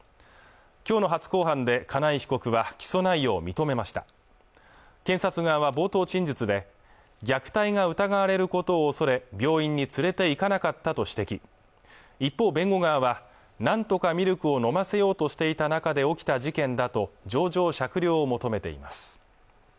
今日の初公判で金井被告は起訴内容を認めました検察側は冒頭陳述で虐待が疑われることを恐れ病院に連れていかなかったと指摘一方、弁護側はなんとかミルクを飲ませようとしていた中で起きた事件だと情状酌量を求めています